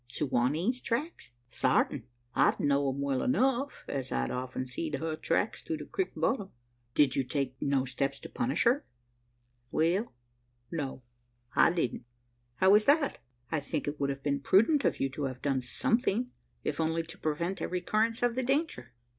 "Su wa nee's tracks?" "Sartin. I know'd 'em well enough, as I'd often seed her tracks through the crik bottom." "Did you take no steps to punish her?" "Well no I didn't." "How is that? I think it would have been prudent of you to have done something if only to prevent a recurrence of the danger."